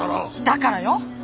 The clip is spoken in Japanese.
だからよ。